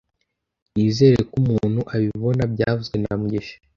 Nizere ko umuntu abibona byavuzwe na mugisha